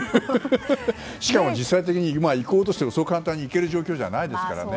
しかも、行こうとしてもそう簡単に行ける状況ではないですから。